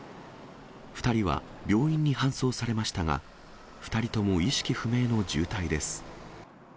２人は病院に搬送されましたが、２人とも意識不明の重体です。